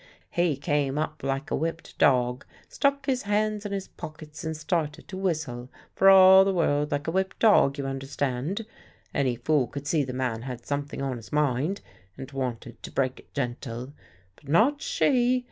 He came up like a whipped dog, stuck his hands in his pockets and started to whistle, for all the world like a whipped dog, you understand? Any fool could see the man had something on his mind and wanted to break it gentle. But not she!